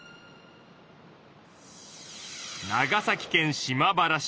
長崎県島原市。